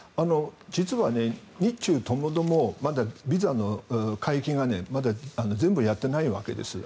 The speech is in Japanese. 実は日中ともども実はビザの解禁がまだ全部やってないんです。